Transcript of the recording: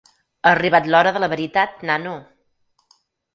Ha arribat l'hora de la veritat, nano!